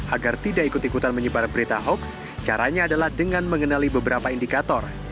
agar tidak ikut ikutan menyebar berita hoax caranya adalah dengan mengenali beberapa indikator